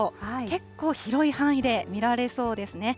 結構広い範囲で見られそうですね。